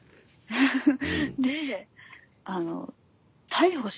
フフフッ。